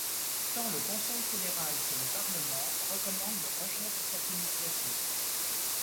Tant le Conseil fédéral que le parlement recommandent le rejet de cette initiative.